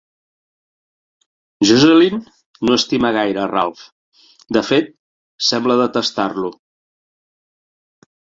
Jocelyn no estima gaire a Ralph, de fet, sembla detestar-lo.